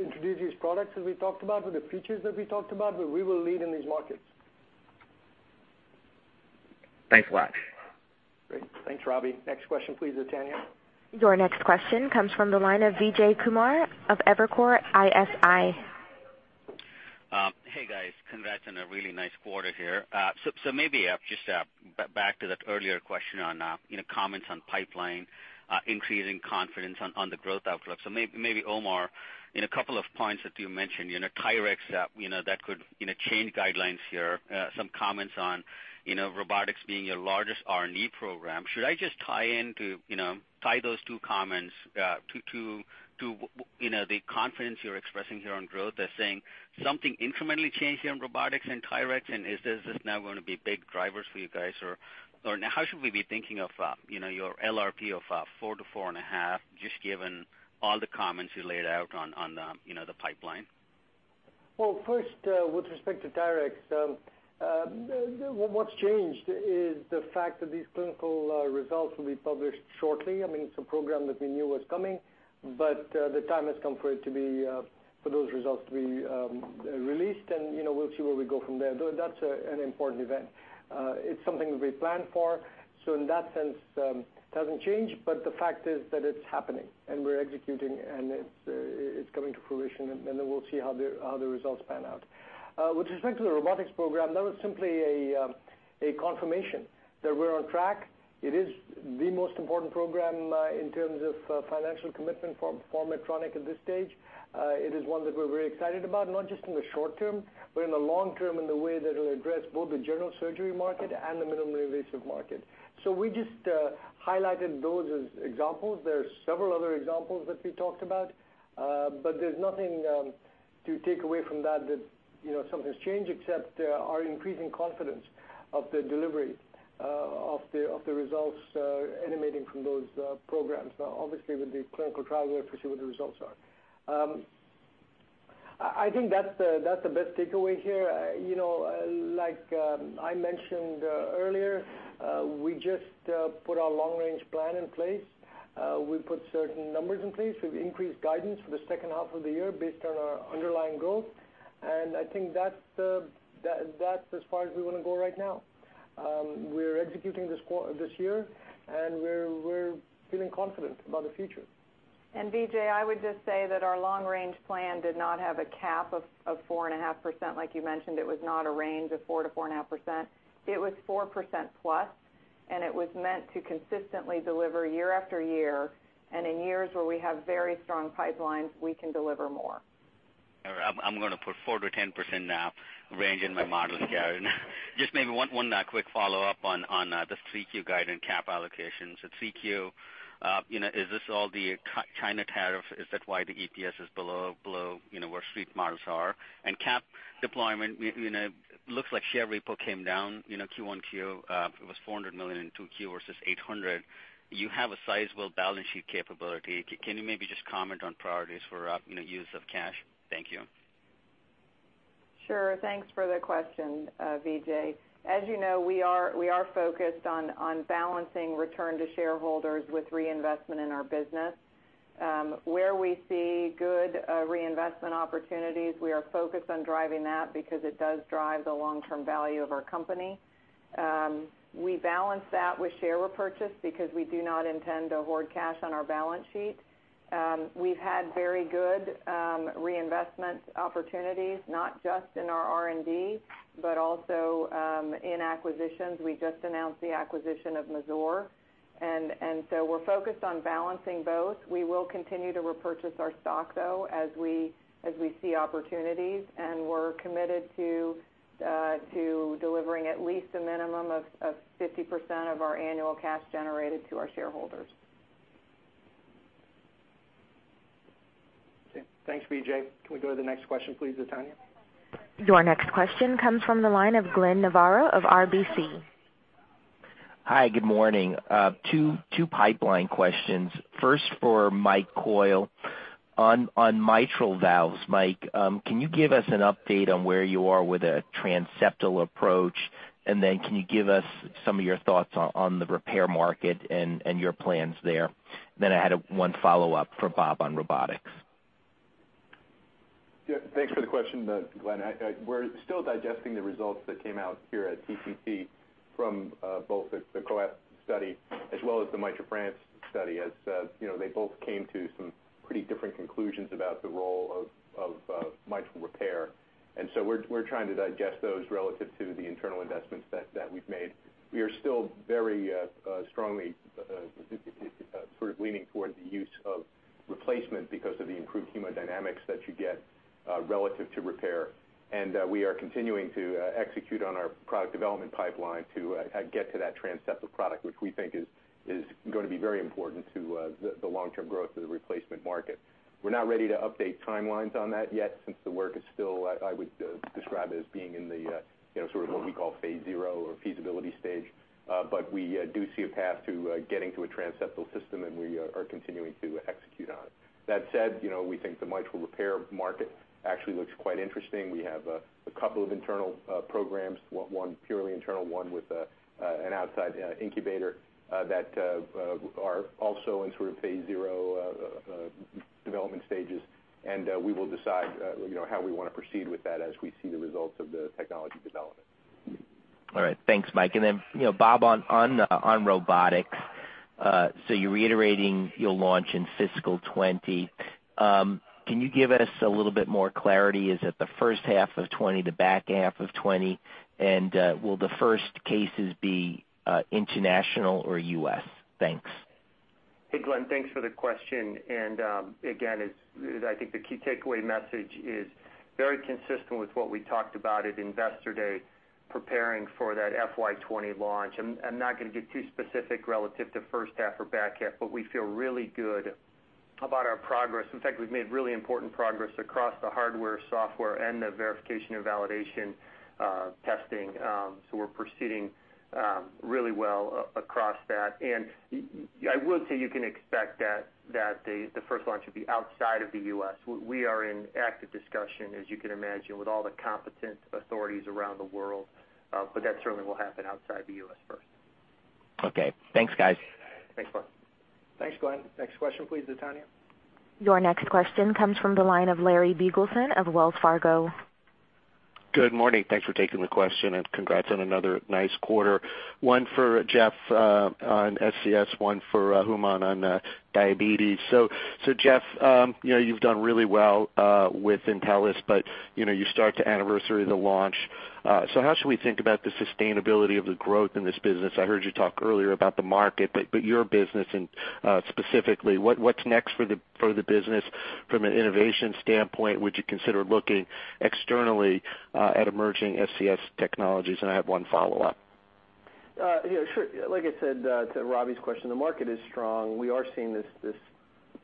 introduce these products as we talked about, with the features that we talked about, but we will lead in these markets. Thanks a lot. Great. Thanks, Robbie. Next question, please, Zetania. Your next question comes from the line of Vijay Kumar of Evercore ISI. Hey, guys. Congrats on a really nice quarter here. Maybe just back to that earlier question on comments on pipeline, increasing confidence on the growth outlook. Maybe Omar, in a couple of points that you mentioned, TYRX, that could change guidelines here, some comments on robotics being your largest R&D program. Should I just tie those two comments to the confidence you're expressing here on growth as saying something incrementally changed here in robotics and TYRX, is this now going to be big drivers for you guys? How should we be thinking of your LRP of four to four and a half, just given all the comments you laid out on the pipeline? Well, first, with respect to TYRX, what's changed is the fact that these clinical results will be published shortly. It's a program that we knew was coming, the time has come for those results to be released, we'll see where we go from there. That's an important event. It's something that we planned for, in that sense, it hasn't changed. The fact is that it's happening, we're executing, it's coming to fruition, we'll see how the results pan out. With respect to the robotics program, that was simply a confirmation that we're on track. It is the most important program in terms of financial commitment for Medtronic at this stage. It is one that we're very excited about, not just in the short term, but in the long term in the way that it'll address both the general surgery market and the minimally invasive market. We just highlighted those as examples. There are several other examples that we talked about. There's nothing to take away from that something's changed except our increasing confidence of the delivery of the results emanating from those programs. Obviously, with the clinical trial, we have to see what the results are. I think that's the best takeaway here. Like I mentioned earlier, we just put our long-range plan in place. We put certain numbers in place. We've increased guidance for the second half of the year based on our underlying growth. I think that's as far as we want to go right now. We're executing this year, and we're feeling confident about the future. Vijay, I would just say that our long-range plan did not have a cap of 4.5% like you mentioned. It was not a range of 4%-4.5%. It was 4%+. It was meant to consistently deliver year after year, and in years where we have very strong pipelines, we can deliver more. All right. I'm going to put 4%-10% range in my models, Karen. Just maybe one quick follow-up on the 3Q guide and cap allocations. At 3Q, is this all the China tariff? Is that why the EPS is below where street models are? Cap deployment, it looks like share repo came down Q1, it was $400 million in 2Q versus $800. You have a sizable balance sheet capability. Can you maybe just comment on priorities for use of cash? Thank you. Sure. Thanks for the question, Vijay. As you know, we are focused on balancing return to shareholders with reinvestment in our business. Where we see good reinvestment opportunities, we are focused on driving that because it does drive the long-term value of our company. We balance that with share repurchase because we do not intend to hoard cash on our balance sheet. We've had very good reinvestment opportunities, not just in our R&D, but also in acquisitions. We just announced the acquisition of Mazor, so we're focused on balancing both. We will continue to repurchase our stock, though, as we see opportunities, and we're committed to delivering at least a minimum of 50% of our annual cash generated to our shareholders. Okay. Thanks, Vijay. Can we go to the next question, please, Zetania? Your next question comes from the line of Glenn Novarro of RBC. Hi, good morning. Two pipeline questions. First for Mike Coyle. On mitral valves, Mike, can you give us an update on where you are with a transseptal approach, then can you give us some of your thoughts on the repair market and your plans there? I had one follow-up for Bob on robotics. Yeah, thanks for the question, Glenn. We're still digesting the results that came out here at TCT from both the COAPT study as well as the MITRA-FR study, as they both came to some pretty different conclusions about the role of mitral repair. So we're trying to digest those relative to the internal investments that we've made. We are still very strongly sort of leaning toward the use of replacement because of the improved hemodynamics that you get relative to repair. We are continuing to execute on our product development pipeline to get to that transseptal product, which we think is going to be very important to the long-term growth of the replacement market. We're not ready to update timelines on that yet, since the work is still, I would describe it as being in the sort of what we call phase zero or feasibility stage. We do see a path to getting to a transseptal system. We are continuing to execute on it. That said, we think the mitral repair market actually looks quite interesting. We have a couple of internal programs, one purely internal, one with an outside incubator that are also in sort of phase zero development stages. We will decide how we want to proceed with that as we see the results of the technology development. All right. Thanks, Mike. Bob, on robotics, you're reiterating you'll launch in fiscal 2020. Can you give us a little bit more clarity? Is it the first half of 2020, the back half of 2020? Will the first cases be international or U.S.? Thanks. Hey, Glenn, thanks for the question. Again, as I think the key takeaway message is very consistent with what we talked about at Investor Day, preparing for that FY 2020 launch. I'm not going to get too specific relative to first half or back half. We feel really good about our progress. In fact, we've made really important progress across the hardware, software, and the verification and validation testing. We're proceeding really well across that. I will say you can expect that the first launch will be outside of the U.S. We are in active discussion, as you can imagine, with all the competent authorities around the world. That certainly will happen outside the U.S. first. Okay. Thanks, guys. Thanks, Bob. Thanks, Glenn. Next question, please, Zetania. Your next question comes from the line of Larry Biegelsen of Wells Fargo. Good morning. Thanks for taking the question, and congrats on another nice quarter. One for Geoff on SCS, one for Hooman on diabetes. Geoff, you've done really well with Intellis, but you start to anniversary the launch. How should we think about the sustainability of the growth in this business? I heard you talk earlier about the market, but your business and specifically, what's next for the business from an innovation standpoint? Would you consider looking externally at emerging SCS technologies? I have one follow-up. Yeah, sure. Like I said to Robbie's question, the market is strong. We are seeing this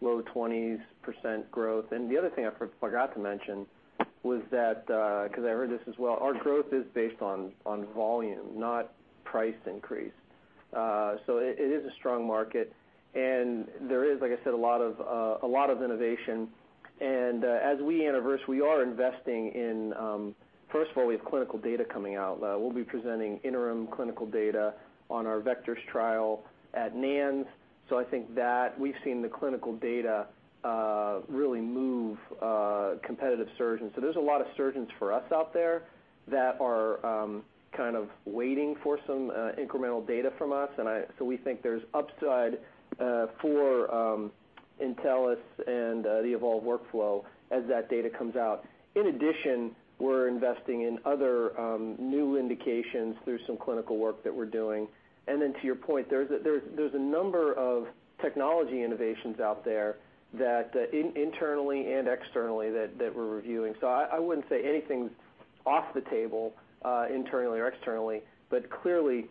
low 20s % growth. The other thing I forgot to mention was that, because I heard this as well, our growth is based on volume, not price increase. It is a strong market, and there is, like I said, a lot of innovation. As we anniversary, we are investing in, first of all, we have clinical data coming out. We'll be presenting interim clinical data on our Vectors trial at NANS. I think that we've seen the clinical data really move competitive surgeons. There's a lot of surgeons for us out there that are waiting for some incremental data from us. We think there's upside for Intellis and the evolved workflow as that data comes out. In addition, we're investing in other new indications through some clinical work that we're doing. To your point, there's a number of technology innovations out there that internally and externally that we're reviewing. I wouldn't say anything's off the table internally or externally, but clearly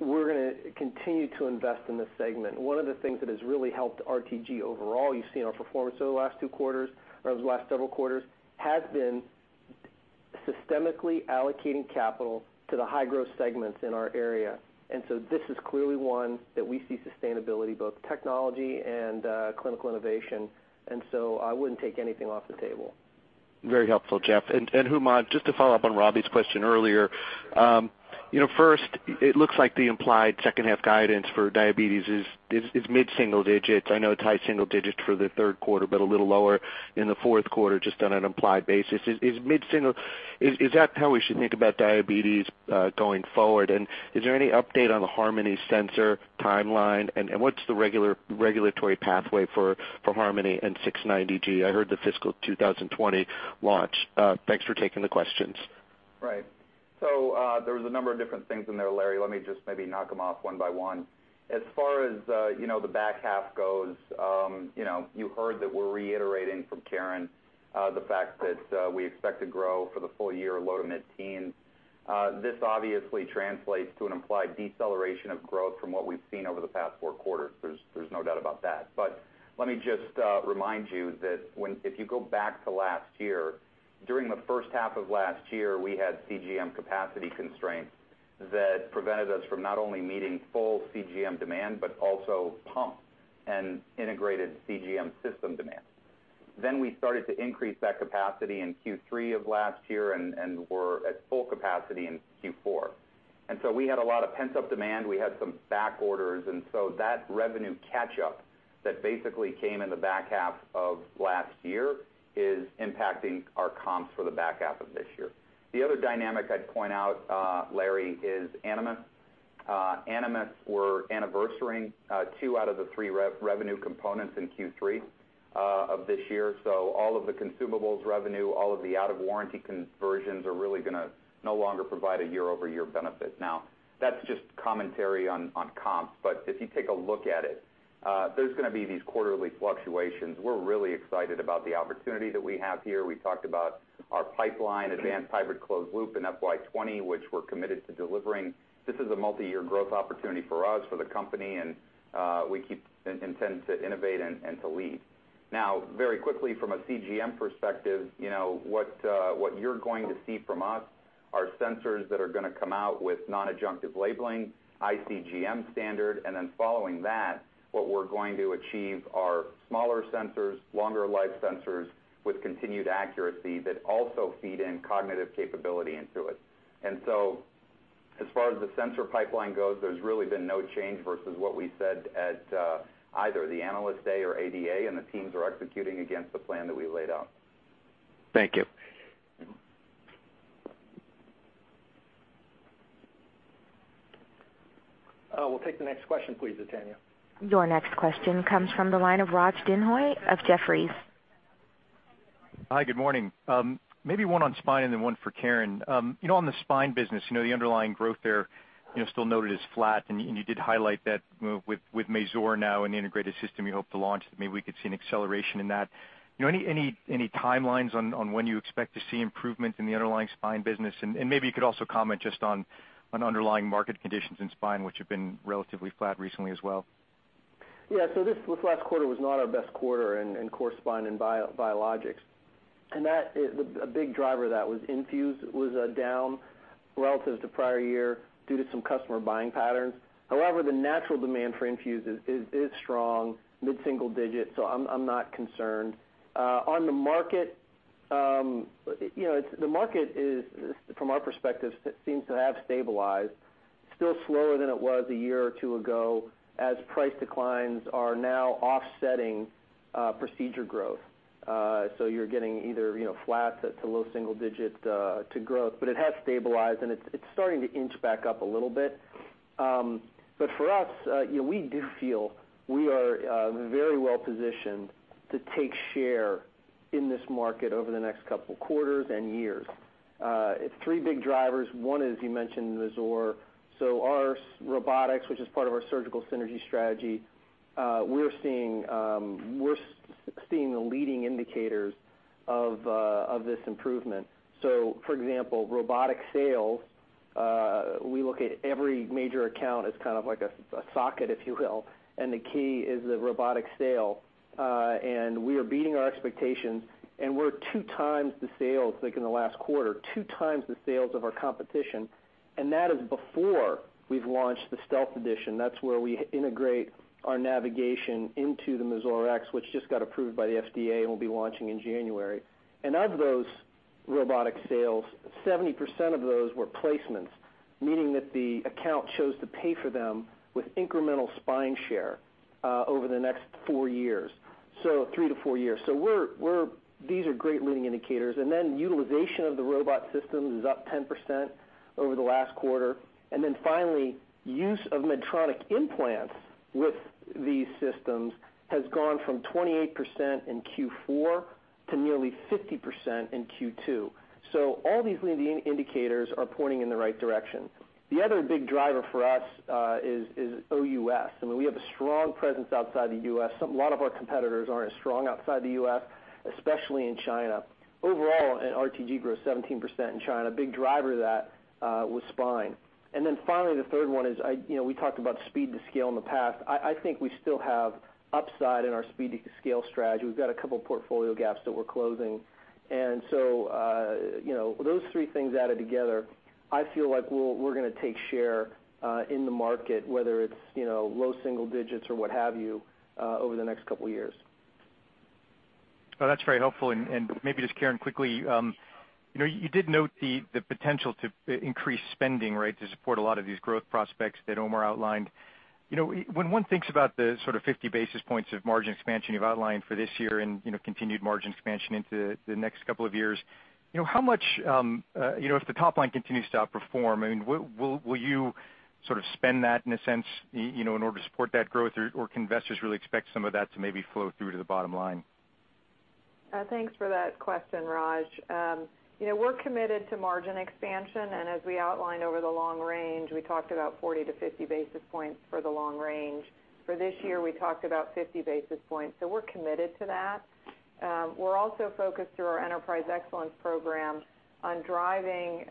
we're going to continue to invest in this segment. One of the things that has really helped RTG overall, you've seen our performance over the last two quarters, or the last several quarters, has been systemically allocating capital to the high-growth segments in our area. This is clearly one that we see sustainability, both technology and clinical innovation, I wouldn't take anything off the table. Very helpful, Geoff. Hooman, just to follow up on Robbie's question earlier. First, it looks like the implied second half guidance for diabetes is mid-single digits. I know it's high single digits for the third quarter, but a little lower in the fourth quarter, just on an implied basis. Is that how we should think about diabetes going forward? Is there any update on the Harmony sensor timeline, and what's the regulatory pathway for Harmony and 690G? I heard the fiscal 2020 launch. Thanks for taking the questions. Right. There was a number of different things in there, Larry. Let me just maybe knock them off one by one. As far as the back half goes, you heard that we're reiterating from Karen, the fact that we expect to grow for the full year low to mid-teens. This obviously translates to an implied deceleration of growth from what we've seen over the past four quarters. There's no doubt about that. Let me just remind you that if you go back to last year, during the first half of last year, we had CGM capacity constraints that prevented us from not only meeting full CGM demand, but also pump and integrated CGM system demand. We started to increase that capacity in Q3 of last year and were at full capacity in Q4. We had a lot of pent-up demand. We had some back orders, that revenue catch-up that basically came in the back half of last year is impacting our comps for the back half of this year. The other dynamic I'd point out, Larry, is Animas. Animas were anniversarying two out of the three revenue components in Q3 of this year. All of the consumables revenue, all of the out-of-warranty conversions are really going to no longer provide a year-over-year benefit. Now, that's just commentary on comps. If you take a look at it, there's going to be these quarterly fluctuations. We're really excited about the opportunity that we have here. We talked about our pipeline, advanced hybrid closed loop in FY 2020, which we're committed to delivering. This is a multi-year growth opportunity for us, for the company, we keep intent to innovate and to lead. Now, very quickly, from a CGM perspective, what you're going to see from us are sensors that are going to come out with non-adjunctive labeling, iCGM standard, then following that, what we're going to achieve are smaller sensors, longer life sensors with continued accuracy that also feed in cognitive capability into it. As far as the sensor pipeline goes, there's really been no change versus what we said at either the Analyst Day or ADA, the teams are executing against the plan that we laid out. Thank you. We'll take the next question, please, Zetania. Your next question comes from the line of Raj Denhoy of Jefferies. Hi, good morning. Maybe one on spine and then one for Karen. On the spine business, the underlying growth there, still noted as flat, you did highlight that with Mazor now and the integrated system you hope to launch, that maybe we could see an acceleration in that. Any timelines on when you expect to see improvement in the underlying spine business? Maybe you could also comment just on underlying market conditions in spine, which have been relatively flat recently as well. Yeah, this last quarter was not our best quarter in core spine and biologics. A big driver of that was INFUSE was down relative to prior year due to some customer buying patterns. However, the natural demand for INFUSE is strong, mid-single digits, I'm not concerned. On the market, from our perspective, seems to have stabilized. Still slower than it was a year or two ago as price declines are now offsetting procedure growth. You're getting either flat to low single digit to growth. It has stabilized, and it's starting to inch back up a little bit. For us, we do feel we are very well positioned to take share in this market over the next couple of quarters and years. It's three big drivers. One is, you mentioned Mazor. Our robotics, which is part of our surgical synergy strategy, we're seeing the leading indicators of this improvement. For example, robotic sales, we look at every major account as kind of like a socket, if you will, and the key is the robotic sale. We are beating our expectations, and we're 2x the sales, like in the last quarter, 2x the sales of our competition, and that is before we've launched the Stealth Edition. That's where we integrate our navigation into the Mazor X, which just got approved by the FDA and will be launching in January. Of those robotic sales, 70% of those were placements, meaning that the account chose to pay for them with incremental spine share over the next four years, so three to four years. These are great leading indicators. Utilization of the robot system is up 10% over the last quarter. Finally, use of Medtronic implants with these systems has gone from 28% in Q4 to nearly 50% in Q2. All these leading indicators are pointing in the right direction. The other big driver for us is OUS. I mean, we have a strong presence outside the U.S. A lot of our competitors aren't as strong outside the U.S., especially in China. Overall, RTG grew 17% in China. A big driver of that was spine. Finally, the third one is, we talked about speed to scale in the past. I think we still have upside in our speed to scale strategy. We've got a couple of portfolio gaps that we're closing. Those three things added together, I feel like we're going to take share in the market, whether it's low single digits or what have you, over the next couple of years. That's very helpful. Maybe just, Karen, quickly, you did note the potential to increase spending, right, to support a lot of these growth prospects that Omar outlined. When one thinks about the sort of 50 basis points of margin expansion you've outlined for this year and continued margin expansion into the next couple of years, if the top line continues to outperform, will you sort of spend that in a sense in order to support that growth, or can investors really expect some of that to maybe flow through to the bottom line? Thanks for that question, Raj. We're committed to margin expansion. As we outlined over the long range, we talked about 40-50 basis points for the long range. For this year, we talked about 50 basis points. We're committed to that. We're also focused through our enterprise excellence program on driving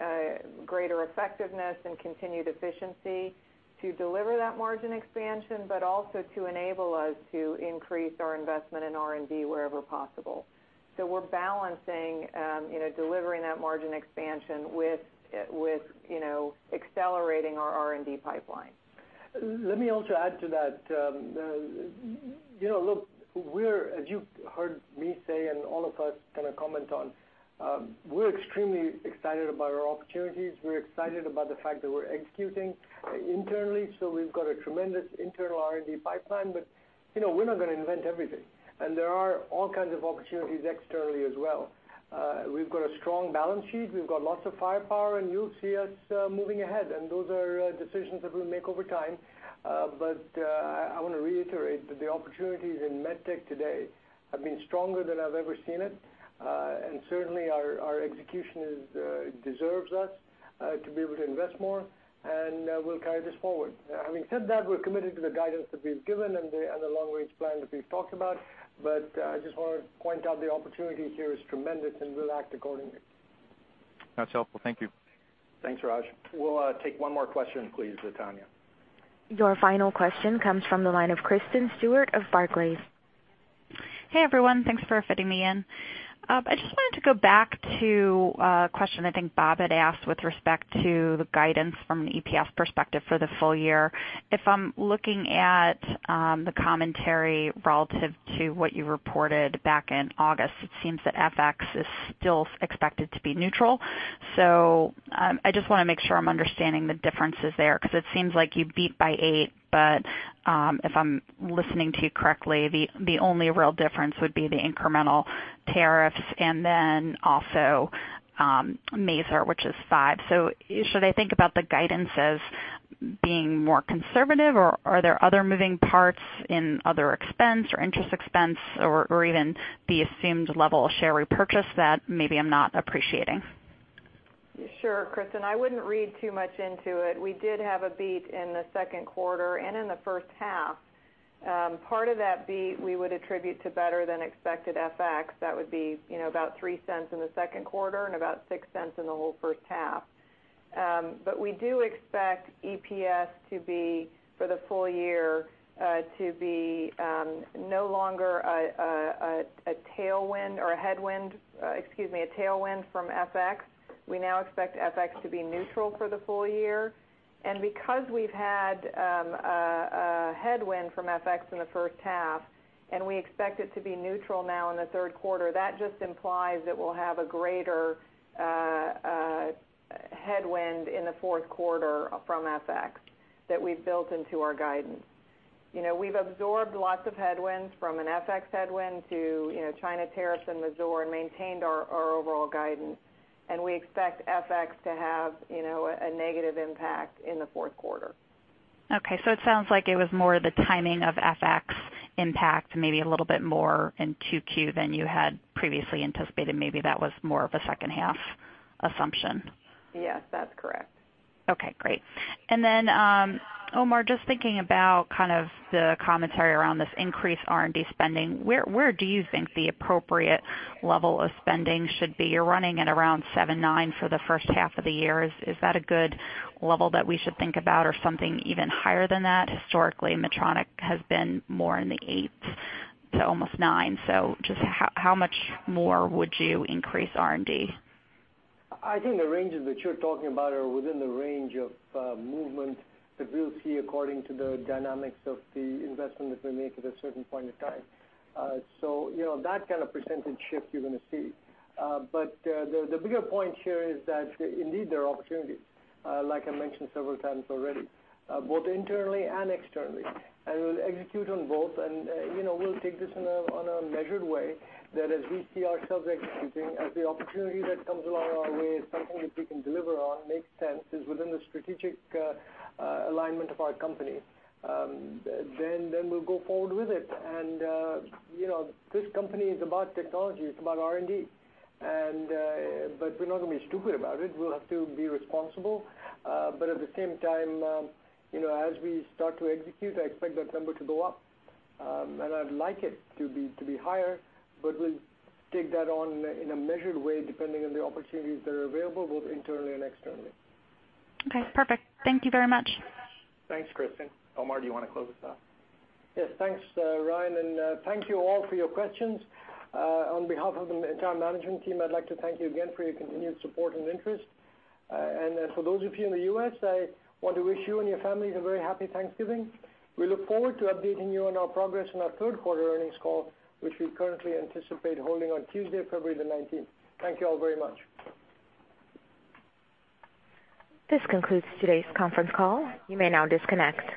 greater effectiveness and continued efficiency to deliver that margin expansion, but also to enable us to increase our investment in R&D wherever possible. We're balancing delivering that margin expansion with accelerating our R&D pipeline. Let me also add to that. Look, as you've heard me say and all of us kind of comment on, we're extremely excited about our opportunities. We're excited about the fact that we're executing internally. We've got a tremendous internal R&D pipeline, but we're not going to invent everything. There are all kinds of opportunities externally as well. We've got a strong balance sheet, we've got lots of firepower, and you'll see us moving ahead, and those are decisions that we'll make over time. I want to reiterate that the opportunities in med tech today have been stronger than I've ever seen it. Certainly, our execution deserves us to be able to invest more, and we'll carry this forward. Having said that, we're committed to the guidance that we've given and the long-range plan that we've talked about. I just want to point out the opportunity here is tremendous, and we'll act accordingly. That's helpful. Thank you. Thanks, Raj. We'll take one more question, please, Zetania. Your final question comes from the line of Kristen Stewart of Barclays. Hey, everyone. Thanks for fitting me in. I just wanted to go back to a question I think Bob had asked with respect to the guidance from an EPS perspective for the full year. If I'm looking at the commentary relative to what you reported back in August, it seems that FX is still expected to be neutral. I just want to make sure I'm understanding the differences there, because it seems like you beat by eight, but, if I'm listening to you correctly, the only real difference would be the incremental tariffs and then also Mazor, which is five. Should I think about the guidance as being more conservative, or are there other moving parts in other expense or interest expense or even the assumed level of share repurchase that maybe I'm not appreciating? Sure, Kristen. I wouldn't read too much into it. We did have a beat in the second quarter and in the first half. Part of that beat, we would attribute to better than expected FX. That would be about $0.03 in the second quarter and about $0.06 in the whole first half. We do expect EPS to be, for the full year, to be no longer a tailwind from FX. We now expect FX to be neutral for the full year. Because we've had a headwind from FX in the first half and we expect it to be neutral now in the third quarter, that just implies that we'll have a greater headwind in the fourth quarter from FX that we've built into our guidance. We've absorbed lots of headwinds from an FX headwind to China tariffs and Mazor and maintained our overall guidance. We expect FX to have a negative impact in the fourth quarter. It sounds like it was more the timing of FX impact, maybe a little bit more in 2Q than you had previously anticipated. Maybe that was more of a second half assumption. Yes, that's correct. Omar, just thinking about kind of the commentary around this increased R&D spending, where do you think the appropriate level of spending should be? You're running at around 7.9% for the first half of the year. Is that a good level that we should think about or something even higher than that? Historically, Medtronic has been more in the 8% to almost 9%. Just how much more would you increase R&D? I think the ranges that you're talking about are within the range of movement that we'll see according to the dynamics of the investment that we make at a certain point in time. That kind of percentage shift you're going to see. The bigger point here is that indeed there are opportunities, like I mentioned several times already, both internally and externally. We'll execute on both, and we'll take this in a measured way that as we see ourselves executing, as the opportunity that comes along our way is something that we can deliver on, makes sense, is within the strategic alignment of our company, then we'll go forward with it. This company is about technology. It's about R&D. We're not going to be stupid about it. We'll have to be responsible. At the same time, as we start to execute, I expect that number to go up. I'd like it to be higher, but we'll take that on in a measured way, depending on the opportunities that are available, both internally and externally. Okay, perfect. Thank you very much. Thanks, Kristen. Omar, do you want to close us out? Yes, thanks, Ryan, thank you all for your questions. On behalf of the entire management team, I'd like to thank you again for your continued support and interest. For those of you in the U.S., I want to wish you and your families a very happy Thanksgiving. We look forward to updating you on our progress in our third quarter earnings call, which we currently anticipate holding on Tuesday, February the 19th. Thank you all very much. This concludes today's conference call. You may now disconnect.